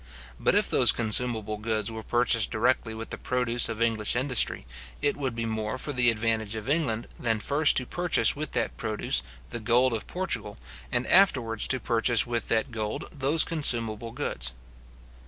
But if those consumable goods were purchased directly with the produce of English industry, it would be more for the advantage of England, than first to purchase with that produce the gold of Portugal, and afterwards to purchase with that gold those consumable goods.